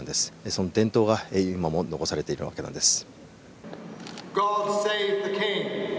その伝統が今も残されているわけなんです。